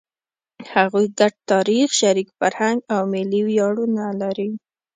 هغوی ګډ تاریخ، شریک فرهنګ او ملي ویاړونه لري.